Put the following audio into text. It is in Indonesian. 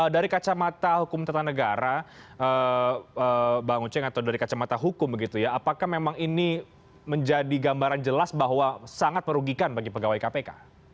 dari kacamata hukum tata negara bang uceng atau dari kacamata hukum begitu ya apakah memang ini menjadi gambaran jelas bahwa sangat merugikan bagi pegawai kpk